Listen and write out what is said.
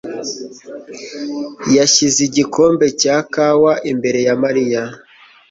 yashyize igikombe cya kawa imbere ya Mariya.